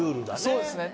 そうですね。